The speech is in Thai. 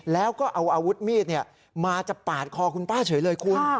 แล้วก็เอาอาวุธมีดมาจะปาดคอคุณป้าเฉยเลยคุณ